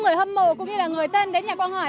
người hâm mộ cũng như là người tên đến nhà quang hải